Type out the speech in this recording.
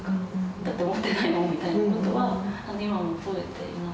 だって思ってないもんみたいなことは今も覚えています。